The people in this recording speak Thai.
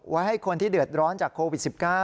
ให้คนที่เดือดร้อนจากโควิด๑๙